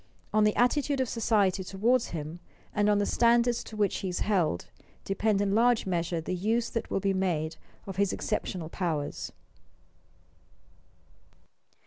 On the attitude of society toward him, and on the standards to which he is held, depend in large measure the use that will be made of his exceptional powers.